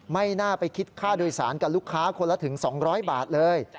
ไม่น่าไปคิดค่าโดยสารกับลูกค้าคนละถึง๒๐๐บาทเลย